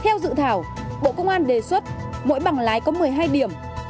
theo dự thảo bộ công an đề xuất mỗi bằng lái có một mươi hai điểm